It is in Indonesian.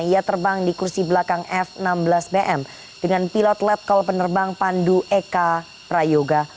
ia terbang di kursi belakang f enam belas bm dengan pilot letkol penerbang pandu eka prayoga